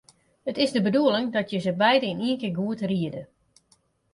It is de bedoeling dat je se beide yn ien kear goed riede.